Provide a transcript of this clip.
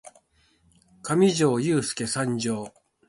かみじょーゆーすーけ参上！